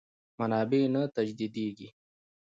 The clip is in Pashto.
منابع نه تجدیدېږي.